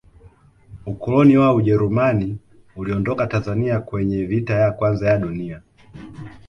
ukoloni wa ujerumani uliondoka tanzania kwenye vita ya kwanza ya dunia